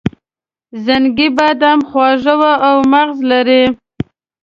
زنګي بادام خواږه وي او مغز لري.